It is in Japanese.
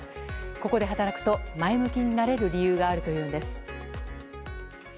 ここで働くと、前向きになれる理由があるというんです。